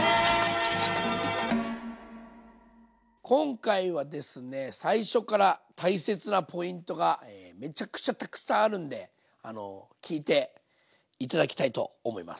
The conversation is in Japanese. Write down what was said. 今回はですね最初から大切なポイントがめちゃくちゃたくさんあるんで聞いて頂きたいと思います。